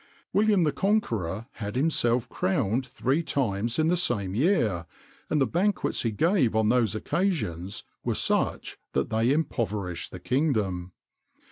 William the Conqueror had himself crowned three times in the same year, and the banquets he gave on those occasions were such that they impoverished the kingdom.